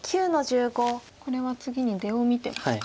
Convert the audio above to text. これは次に出を見てますか。